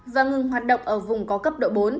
hai ba và ngừng hoạt động ở vùng có cấp độ bốn